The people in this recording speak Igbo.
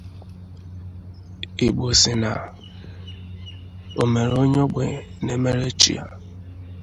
Igbo sị na omere onye ogbenye na-emere chi ya